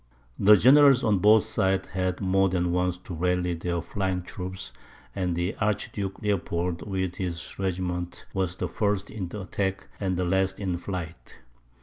The generals on both sides had more than once to rally their flying troops; and the Archduke Leopold, with his regiment, was the first in the attack and last in flight.